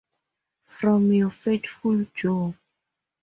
From your faithful Jo.